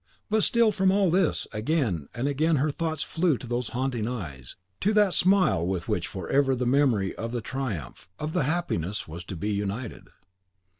But still from all this, again and again her thoughts flew to those haunting eyes, to that smile with which forever the memory of the triumph, of the happiness, was to be united.